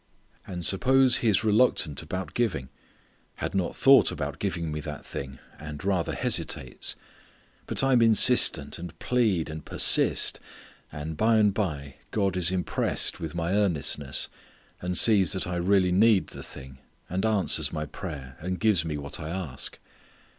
And suppose He is reluctant about giving: had not thought about giving me that thing; and rather hesitates. But I am insistent, and plead and persist and by and by God is impressed with my earnestness, and sees that I really need the thing, and answers my prayer, and gives me what I ask.